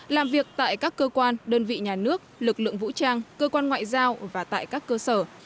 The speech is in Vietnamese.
làm việc tại các cơ quan đơn vị nhà nước lực lượng vũ trang cơ quan ngoại giao và tại các cơ sở